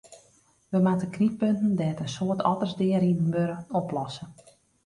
We moatte knyppunten dêr't in soad otters deariden wurde, oplosse.